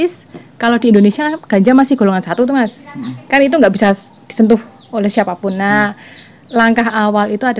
saya ingin merasakan manfaatnya itu